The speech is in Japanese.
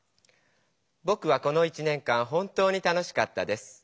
「ぼくはこの１年間本当に楽しかったです。